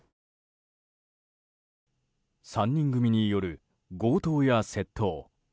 ３人組による強盗や窃盗。